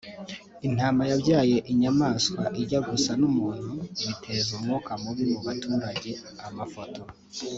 Intama yabyaye inyamaswa ijya gusa n’umuntu biteza umwuka mubi mu baturage [Amafoto]